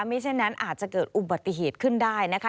ไม่เช่นนั้นอาจจะเกิดอุบัติเหตุขึ้นได้นะคะ